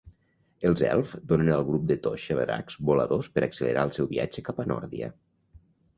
Els elfs donen al grup de Toxa dracs voladors per accelerar el seu viatge cap a Nordia.